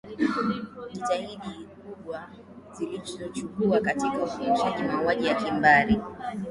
jitihada kubwa zilichukuliwa katika kukomesha mauaji ya kimbari